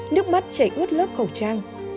nước mắt chảy ướt lớp khẩu trang